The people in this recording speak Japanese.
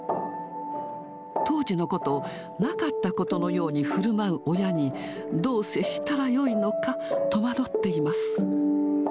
当時のことをなかったことのようにふるまう親に、どう接したらよいのか、戸惑っています。